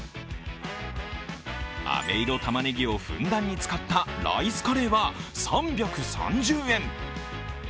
あめいろたまねぎをふんだんに使ったライスカレーは３３０円。